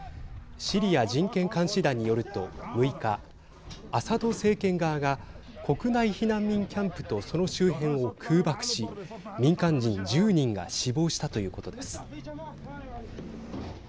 シリア人権監視団によると６日アサド政権側が国内避難民キャンプとその周辺を空爆し民間人１０人が死亡したということです。